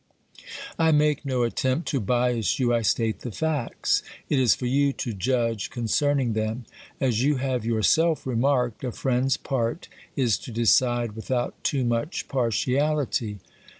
I make no attempt to bias you, I state the facts ; it is for you to judge concerning them. As you have yourself remarked, a friend's part is to decide without too much partiality.